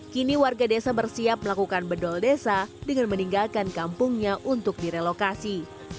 kini warga desa bersiap melakukan bedol desa dengan meninggalkan kampungnya untuk direlokasi